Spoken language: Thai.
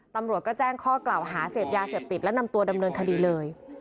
ตำรวจก็แจ้งข้อกล่าวหาเสพยาเสพติดและนำตัวดำเนินคดีเลย